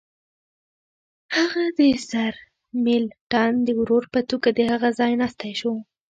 هغه د سرمیلټن د ورور په توګه د هغه ځایناستی شو.